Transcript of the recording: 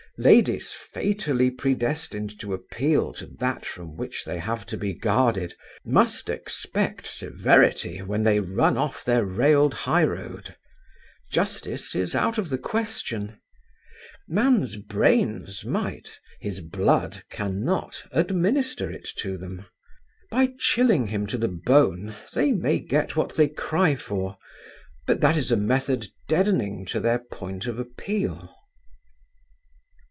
Ladies, fatally predestined to appeal to that from which they have to be guarded, must expect severity when they run off their railed highroad: justice is out of the question: man's brains might, his blood cannot administer it to them. By chilling him to the bone they may get what they cry for. But that is a method deadening to their point of appeal.